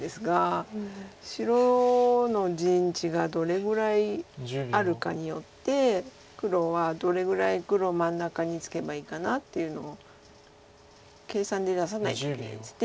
白の陣地がどれぐらいあるかによって黒はどれぐらい黒真ん中につけばいいかなっていうのを計算で出さないといけないです。